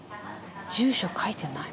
住所書いてない。